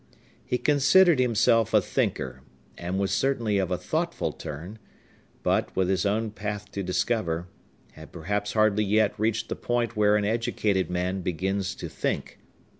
He considered himself a thinker, and was certainly of a thoughtful turn, but, with his own path to discover, had perhaps hardly yet reached the point where an educated man begins to think.